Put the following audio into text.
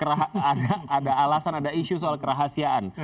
ada alasan ada isu soal kerahasiaan